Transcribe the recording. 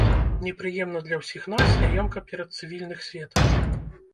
Непрыемна для ўсіх нас, няёмка перад цывільных светам.